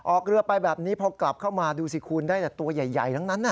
ออกเรือไปแบบนี้พอกลับเข้ามาดูสิคุณได้แต่ตัวใหญ่ทั้งนั้น